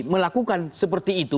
melakukan seperti itu